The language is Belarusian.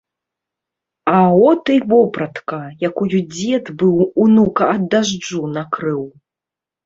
А от і вопратка, якою дзед быў унука ад дажджу накрыў.